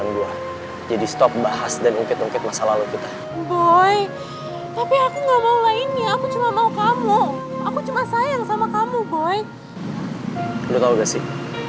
lu tau gak sih